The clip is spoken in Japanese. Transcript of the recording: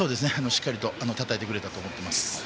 しっかりたたいてくれたと思います。